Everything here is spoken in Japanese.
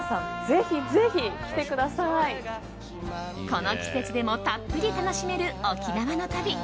この季節でもたっぷり楽しめる沖縄の旅。